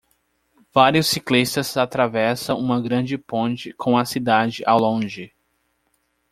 Vários ciclistas atravessam uma grande ponte com a cidade ao longe.